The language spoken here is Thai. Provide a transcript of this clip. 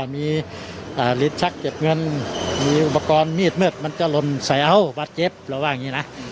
มีอ่าฤทธิ์ชักเก็บเงินมีอุปกรณ์มีดเมิดมันจะลนแสวบาดเจ็บหรือว่างงี้น่ะ